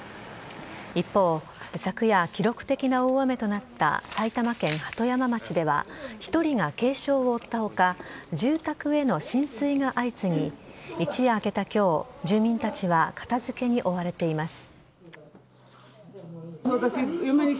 一方、昨夜記録的な大雨となった埼玉県鳩山町では１人が軽傷を負った他住宅への浸水が相次ぎ一夜明けた今日住民たちは片付けに追われています。